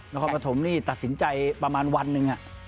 นครปฐมนี่ตัดสินใจประมาณวันหนึ่ง